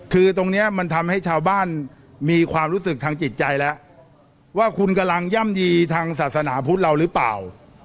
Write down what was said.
คือตรงนี้มันทำให้ชาวบ้านมีความรู้สึกทางจิตใจแล้วว่าคุณกำลังย่ำยีทางศาสนาพุทธเราหรือเปล่า